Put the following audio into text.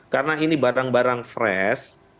karena ini barang barang fresh